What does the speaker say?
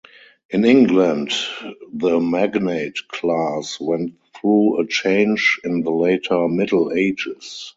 In England, the magnate class went through a change in the later Middle Ages.